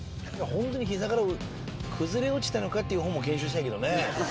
ほんとに膝から崩れ落ちたのかっていう方も検証したいけどね。